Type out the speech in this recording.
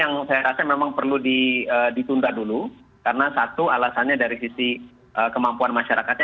nah ini memang yang terdekat memang perlu ditunda dulu karena satu alasannya dari sisi kemampuan masyarakatnya